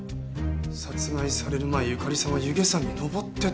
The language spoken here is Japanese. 殺害される前ゆかりさんは弓削山に登ってた。